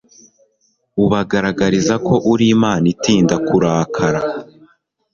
ubagaragariza ko uri imana itinda kurakara